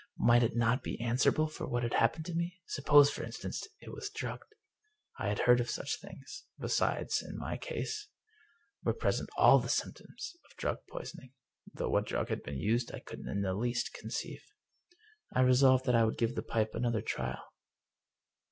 Might it not be answerable for what had happened to me? Suppose, for instance, it was drugged? I had heard of such things. Besides, in my case were present all the symptoms of drug poisoning, though what drug had been used I couldn't in the least conceive. I resolved that I would give the pipe another trial."